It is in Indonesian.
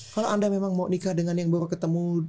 kalau anda memang mau nikah dengan yang baru ketemu